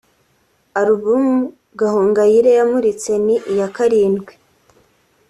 Album Gahongayire yamuritse ni iya karindwi